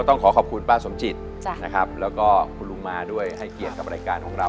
ต้องขอขอบคุณป้าสมจิตและคุณลุงมาให้เกียรติกับรายการของเรา